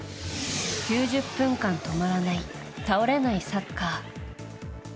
９０分間止まらない倒れないサッカー。